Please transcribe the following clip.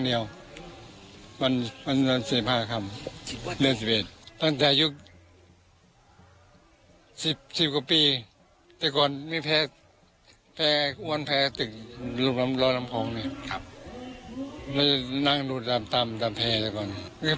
เป็นว่าไฟกลมไฟพุกก็ไม่ใช่ซักปีแต่ว่าลูกใหญ่ลูกแดงความสวย